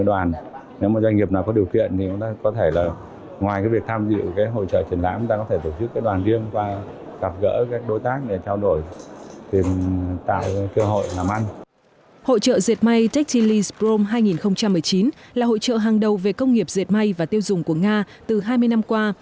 doanh nghiệp diệt may việt nam tham dự hội trợ hàng đầu về công nghiệp diệt may và tiêu dùng của nga từ hai mươi năm qua